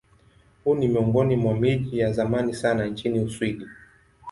Huu ni miongoni mwa miji ya zamani sana nchini Uswidi.